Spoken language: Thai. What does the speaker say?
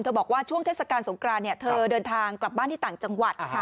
บอกว่าช่วงเทศกาลสงครานเธอเดินทางกลับบ้านที่ต่างจังหวัด